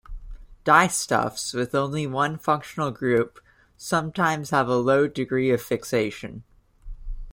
Dyestuffs with only one functional group sometimes have a low degree of fixation.